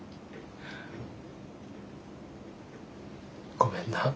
ごめんな。